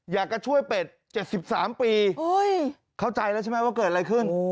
อยากจะช่วยเป็ด๗๓ปีเข้าใจแล้วใช่ไหมว่าเกิดอะไรขึ้น